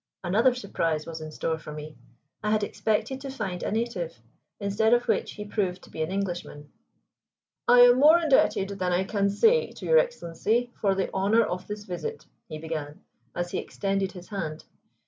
Another surprise was in store for me. I had expected to find a native, instead of which he proved to be an Englishman. "I am more indebted than I can say to your Excellency for the honor of this visit," he began, as he extended his hand.